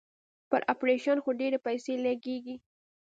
پر اپرېشن خو ډېرې پيسې لگېږي.